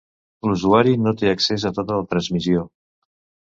L'usuari no té accés a tota la transmissió.